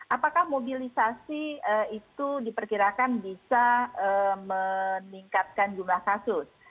apakah mobilisasi itu diperkirakan bisa meningkatkan jumlah kasus